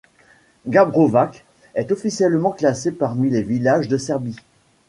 Gabrovac est officiellement classé parmi les villages de Serbie.